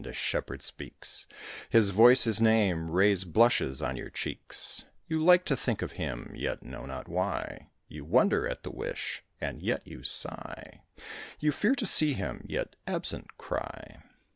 A shepherd speaks; His voice, his name, raise blushes on your cheeks: You like to think of him, yet know not why; You wonder at the wish, and yet you sigh; You fear to see him, and yet, absent, cry."